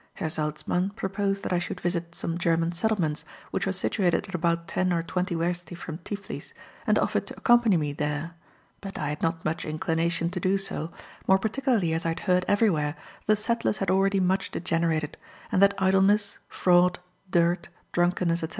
Herr Salzmann proposed that I should visit some German settlements, which were situated at about ten or twenty wersti from Tiflis, and offered to accompany me there; but I had not much inclination to do so, more particularly as I had heard everywhere that the settlers had already much degenerated, and that idleness, fraud, dirt, drunkenness, etc.